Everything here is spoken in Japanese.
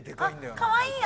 かわいい！